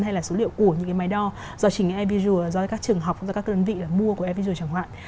hay là số liệu của những cái máy đo do chỉnh air visual do các trường học do các đơn vị mua của air visual chẳng hoạn